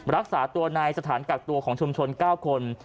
รักษาตัวในสถานกักตัวของชุมชน๙คน